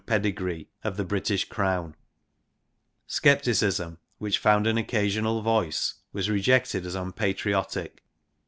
XXVI INTRODUCTION British crown. Scepticism, which found an occasional voice, was rejected as unpatriotic.